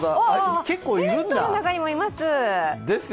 テントの中にもいます！